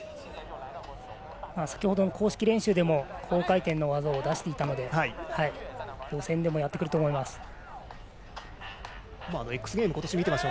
先ほどの公式練習でも高回転の技を出していたので予選でもやってくると思います。